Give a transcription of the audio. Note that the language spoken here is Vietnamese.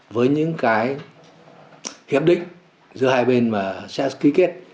với những cái hiệp định giữa hai bên mà sẽ ký kết